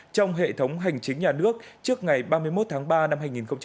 trong hệ thống hành chính nhà nước trước ngày ba mươi một tháng ba năm hai nghìn hai mươi